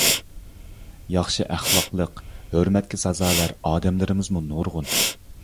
ياخشى ئەخلاقلىق، ھۆرمەتكە سازاۋەر ئادەملىرىمىزمۇ نۇرغۇن.